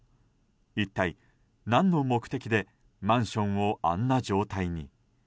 一体何の目的でマンションをあんな状態に？